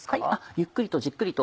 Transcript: ゆっくりとじっくりと。